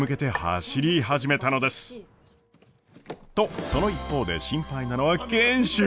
とその一方で心配なのは賢秀。